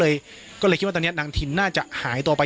เนี้ยครับยังไม่ลงมาก็เลยก็เลยคิดว่าตอนเนี้ยนางถิ่นน่าจะหายตัวไป